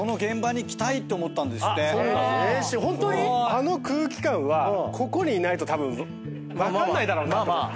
あの空気感はここにいないと分かんないだろうなと思って。